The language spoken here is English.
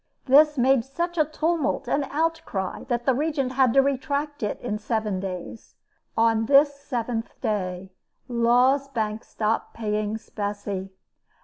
This made such a tumult and outcry that the Regent had to retract it in seven days. On this seventh day, Law's bank stopped paying specie.